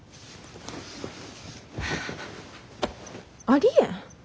ありえん。